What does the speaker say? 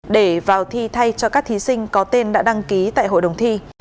để vào thi thay cho các thí sinh có tên đã đăng ký tại hội đồng thi